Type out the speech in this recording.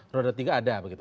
rada tiga ada begitu